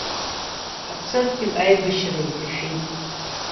Ҳаԥсадгьыл аибашьра иҭашәеит!